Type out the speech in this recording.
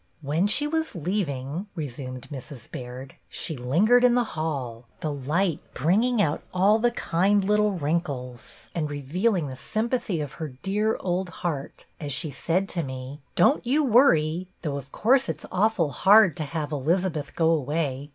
"When she was leaving," resumed Mrs. Baird, "she lingered in the hall, the light bringing out all the kind little wrinkles, and revealing the sympathy of her dear old heart as she said to me, ' Don't you worry ; though of course it 's awful hard to have Elizabeth go away.